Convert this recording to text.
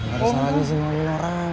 gak ada salah gis nolongin orang